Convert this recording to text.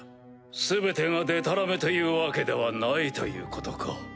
全てがデタラメというわけではないということか。